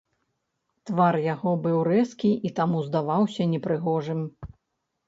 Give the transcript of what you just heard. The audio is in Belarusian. Твар яго быў рэзкі і таму здаваўся непрыгожым.